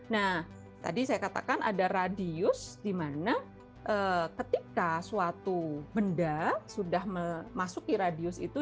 nah tadi saya katakan ada radius di mana ketika suatu benda sudah memasuki radius itu